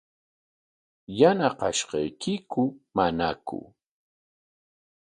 ¿Yanaqashqaykiku manaku?